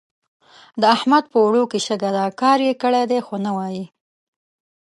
د احمد په اوړو کې شګه ده؛ کار يې کړی دی خو نه وايي.